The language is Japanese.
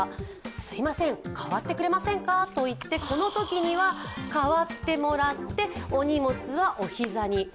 すみません、代わってくれませんかと言って、このときには代わってもらってお荷物はお膝に。